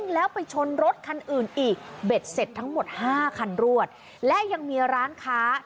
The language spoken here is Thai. แล้วเสียหายด้วยนะคะ